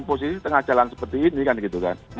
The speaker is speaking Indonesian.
posisi tengah jalan seperti ini kan gitu kan